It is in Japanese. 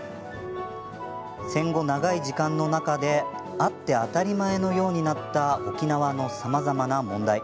戦後、長い時間の中であって当たり前のようになった沖縄のさまざまな問題。